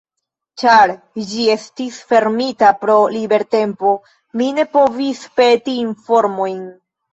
Ĉar ĝi estis fermita pro libertempo, mi ne povis peti informojn.